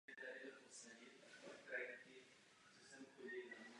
Regionální hospodářská integrace má v tomto ohledu zásadní význam.